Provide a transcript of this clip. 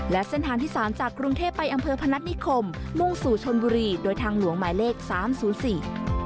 และเส้นทางที่สามจากกรุงเทพไปอำเภอพนัฐนิคมมุ่งสู่ชนบุรีโดยทางหลวงหมายเลขสามศูนย์สี่